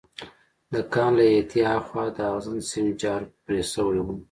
د کان له احاطې هاخوا د اغزن سیم جال پرې شوی و